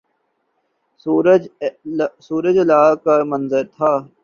سورج ل کا منظر تھا